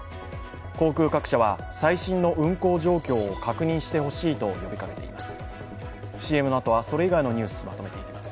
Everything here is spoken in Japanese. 航空各社は最新の運航状況を確認してほしいと呼びかけています。